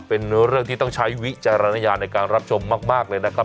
เป็นเรื่องที่ต้องใช้วิจารณญาณในการรับชมมากเลยนะครับ